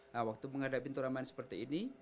nah waktu menghadapi turnamen seperti ini